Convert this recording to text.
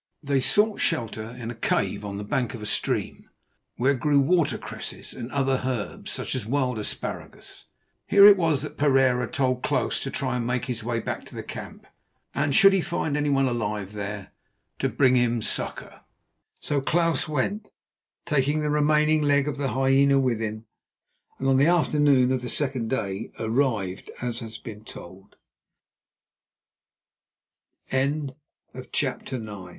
They sought shelter in a cave on the bank of a stream, where grew water cresses and other herbs, such as wild asparagus. Here it was that Pereira told Klaus to try to make his way back to the camp, and, should he find anyone alive there, to bring him succour. So Klaus went, taking the remaining leg of the hyena with him, and on the afternoon of the second day arrived as has been told. CHAPTER X.